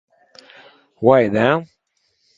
Why then?